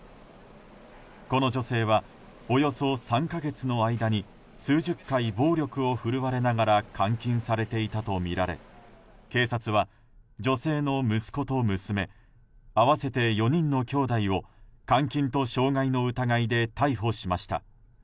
この女性は、およそ３か月の間に数十回暴力を振るわれながら監禁されていたとみられ警察は、女性の息子と娘合わせて４人のきょうだいを監禁と傷害の疑いで逮捕しました。